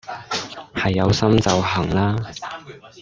係有心就行啦